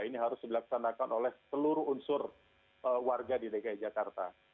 ini harus dilaksanakan oleh seluruh unsur warga di dki jakarta